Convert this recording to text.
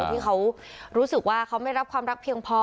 ที่เขารู้สึกว่าเขาไม่รับความรักเพียงพอ